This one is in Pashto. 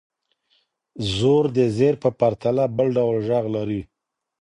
زور د زېر په پرتله بل ډول ږغ لري.